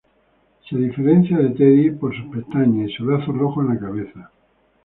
Se diferencia de Teddy por sus pestañas y su lazo rojo en la cabeza.